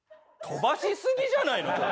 飛ばしすぎじゃないの？